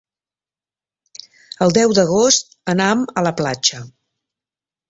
El deu d'agost anam a la platja.